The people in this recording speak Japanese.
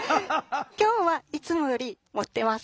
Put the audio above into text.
今日はいつもより盛ってます。